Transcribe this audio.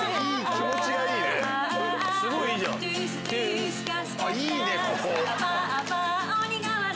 気持ちがいいね。